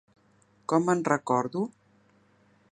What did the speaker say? Com me'n recordo?